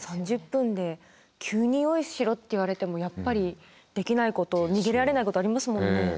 ３０分で急に用意しろって言われてもやっぱりできないこと逃げられないことありますもんね。